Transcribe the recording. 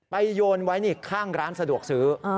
โยนไว้ข้างร้านสะดวกซื้อ